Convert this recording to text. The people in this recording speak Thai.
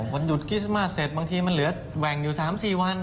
วันหยุดคริสต์มาสเสร็จบางทีมันเหลือแหว่งอยู่๓๔วัน